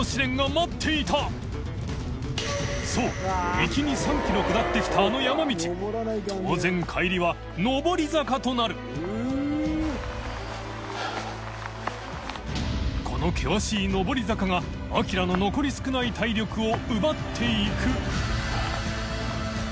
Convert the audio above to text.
行きに３ｋｍ下ってきたあの山道稘錡帰りは上り坂となる磴海痢帖磧弔アキラの残り少ない体力を奪っていく秣